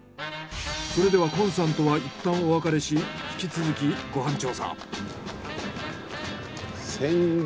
それでは近さんとはいったんお別れし引き続きご飯調査。